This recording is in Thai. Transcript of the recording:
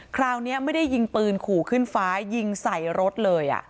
คราวนี้ไม่ได้ยิงปืนขู่ขึ้นฟ้ายิงใส่รถเลย